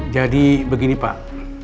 jadi begini pak